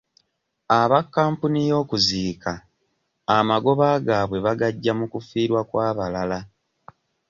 Aba kampuni y'okuziika amagoba gaabwe bagaggya mu kufiirwa kw'abalala.